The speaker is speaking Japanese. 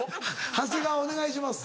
長谷川お願いします。